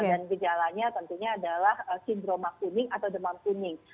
dan gejalanya tentunya adalah sindroma kuning atau demam kuning